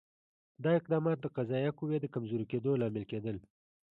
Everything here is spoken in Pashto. دا اقدامات د قضایه قوې د کمزوري کېدو لامل کېدل.